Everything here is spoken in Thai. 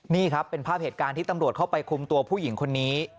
นี่ครับเป็นภาพเหตุการณ์ที่ตำรวจเข้าไปคุมตัวผู้หญิงคนนี้